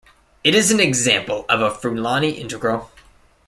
It is an example of a Frullani integral.